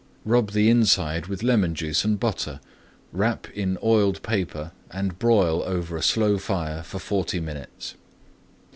Rub the inside with lemon juice and butter, wrap in oiled paper, and broil over a slow fire for forty minutes.